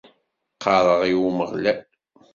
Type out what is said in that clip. Qqareɣ i Umeɣlal.